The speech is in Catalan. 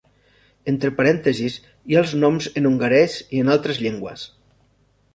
Entre parèntesis hi ha els noms en hongarès i en altres llengües.